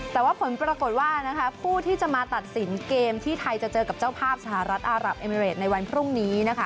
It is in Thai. แต่ว่าผลปรากฏว่าผู้ที่จะมาตัดสินเกมที่ไทยจะเจอกับเจ้าภาพสหรัฐอารับเอมิเรดในวันพรุ่งนี้